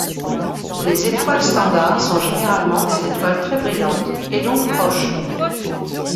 Les étoiles standard sont généralement des étoiles très brillantes, et donc proches.